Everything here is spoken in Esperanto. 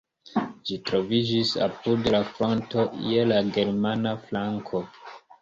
Ĝi troviĝis apud la fronto, je la germana flanko.